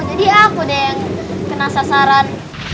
jadi aku deh yang kena sasaran